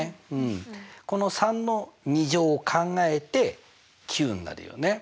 この３の２乗を考えて９になるよね。